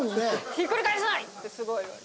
「ひっくり返さない！」ってすごい言われて。